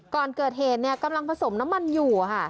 ก่อนเกิดเหตุเนี่ยกำลังผสมน้ำมันอยู่ค่ะ